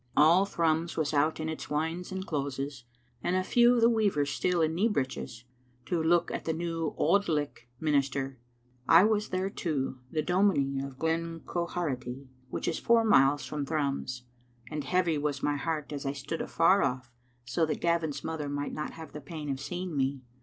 All Thrums was out in its wynds and closes — a few of the weavers still in knee breeches — to look at the new Auld Licht minister. I was there too, the dominie of Glen Quharity, which is four miles from Thrums; and heavy was my heart as I stood afar off so that Gavin's mother might not have the pain of seeing me.